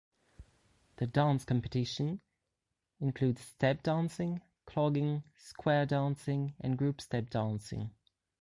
The Dance Competition includes step dancing, clogging, square dancing and group step dancing.